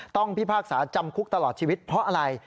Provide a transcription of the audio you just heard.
พิพากษาจำคุกตลอดชีวิตเพราะอะไร